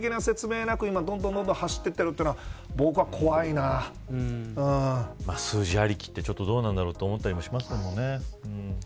そういう具体的な説明なくどんどん走っているというのは数字ありきってちょっとどうなんだろうと思ったりもしますけどね。